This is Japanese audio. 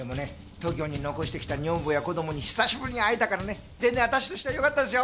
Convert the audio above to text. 東京に残してきた女房や子供に久しぶりに会えたからね全然私としてはよかったですよ。